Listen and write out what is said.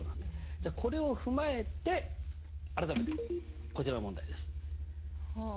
じゃあこれを踏まえて改めてこちらの問題です。はあ。